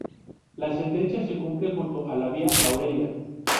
La sentencia se cumple junto a la vía Aurelia.